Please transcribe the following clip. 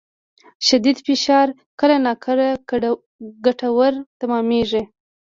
شدید فشار کله ناکله ګټور تمامېږي.